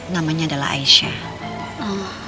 namanya adalah aisyah